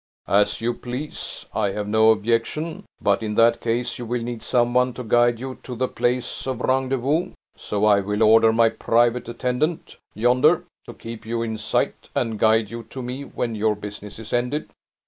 "As you please. I have no objection; but in that case you will need some one to guide you to the place of rendezvous; so I will order my private attendant, yonder, to keep you in sight, and guide you to me when your business is ended."